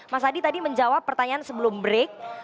mas adi tadi menjawab pertanyaan sebelum break